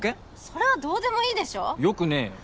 それはどうでもいいでしょよくねえよ